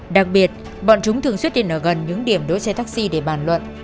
đặc biệt bọn chúng thường xuất hiện ở gần những điểm đỗ xe taxi để bàn luận